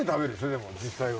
でも実際は。